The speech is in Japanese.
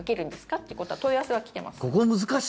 ってことは問い合わせは来ています。